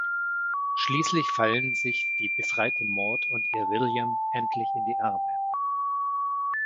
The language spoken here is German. Schließlich fallen sich die befreite Maud und ihr William endlich in die Arme.